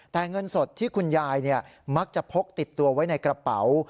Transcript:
แต่เงินสดที่คุณยายมักจะพกติดตัวไว้ในกระเป๋า